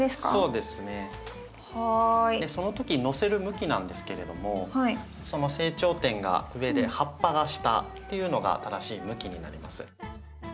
その時のせる向きなんですけれども成長点が上で葉っぱが下っていうのが正しい向きになります。